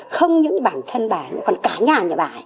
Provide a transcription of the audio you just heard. không những bản thân bà còn cả nhà nhà bà